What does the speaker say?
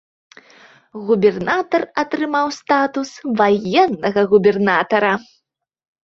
Губернатар атрымаў статус ваеннага губернатара.